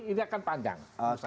ini akan pandang